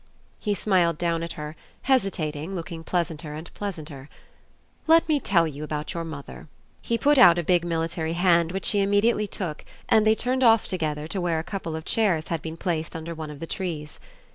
He smiled down at her, hesitating, looking pleasanter and pleasanter. "Let me tell you about your mother." He put out a big military hand which she immediately took, and they turned off together to where a couple of chairs had been placed under one of the trees.